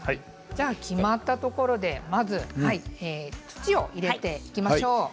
決まったところで土を入れていきましょう。